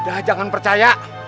udah jangan percaya